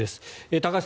高橋さん